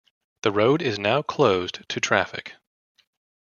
The road is now closed to traffic.